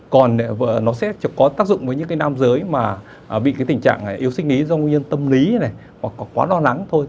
còn nó sẽ có tác dụng với những cái nam giới mà bị cái tình trạng yêu sinh lý do nguyên nhân tâm lý này hoặc quá lo lắng thôi